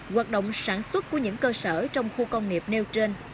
hoạt động sản xuất của những cơ sở trong khu công nghiệp nêu trên